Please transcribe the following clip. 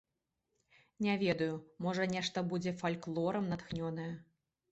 Не ведаю, можа, нешта будзе фальклорам натхнёнае.